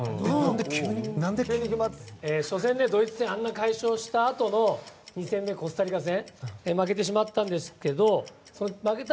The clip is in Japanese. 初戦で、ドイツ戦快勝したあとの２戦目、コスタリカ戦負けてしまったんですが負けた